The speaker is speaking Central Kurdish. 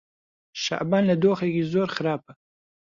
شەعبان لە دۆخێکی زۆر خراپە.